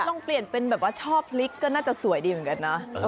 ลองเปลี่ยนเป็นแบบว่าช่อพลิกก็น่าจะสวยดีเหมือนกันนะ